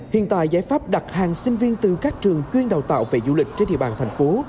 hiện tại giải pháp đặt hàng sinh viên từ các trường chuyên đào tạo về du lịch trên địa bàn thành phố